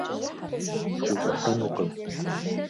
Схущӏыхьэнукъым.